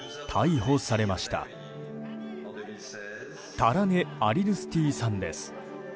タラネ・アリドゥスティさんです。